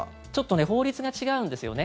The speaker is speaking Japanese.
法律が違うんですよね。